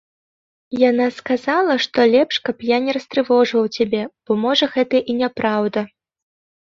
Яна сказала, што лепш, каб я не растрывожваў цябе, бо, можа, гэта і няпраўда.